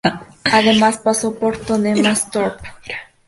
Además, pasó por el Tottenham Hotspur.